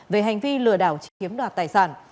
về hành vi lừa đảo chiếm đoạt tài sản